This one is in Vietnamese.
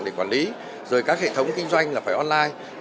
để quản lý rồi các hệ thống kinh doanh là phải online